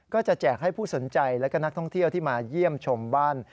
แจกให้ผู้สนใจและก็นักท่องเที่ยวที่มาเยี่ยมชมบ้าน